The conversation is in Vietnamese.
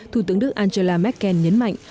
thủ tướng đức angela merkel nhấn mạnh